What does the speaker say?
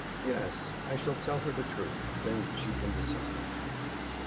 "Yes, I shall tell her the truth. Then she can decide."